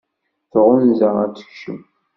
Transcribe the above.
Tɣunza ad tekcem.